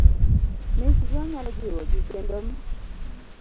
Michgo nyalo jiwogi, kendo m